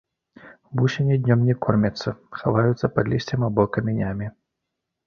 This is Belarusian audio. Вусені днём не кормяцца, хаваюцца пад лісцем або камянямі.